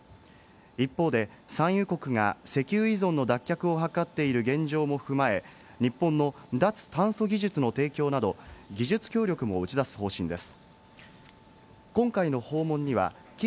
一方で、産油国が石油依存の脱却を図っている現状も踏まえ、日本の脱炭素技術の提供など技術協力も打ち出す方針です。